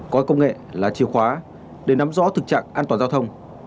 coi công nghệ là chìa khóa để nắm rõ thực trạng an toàn giao thông